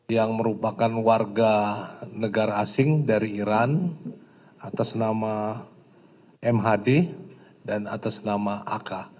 yang merupakan warga negara asing dari iran atas nama mhd dan atas nama ak